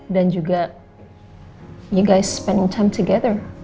dan juga you guys spending time together